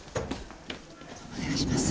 お願いします。